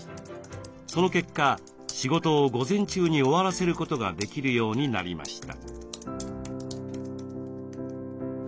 その結果仕事を午前中に終わらせることができるようになりました。